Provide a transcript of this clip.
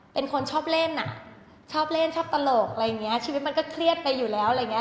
เป็นคนชอบเล่นอ่ะชอบเล่นชอบตลกอะไรอย่างเงี้ยชีวิตมันก็เครียดไปอยู่แล้วอะไรอย่างเงี้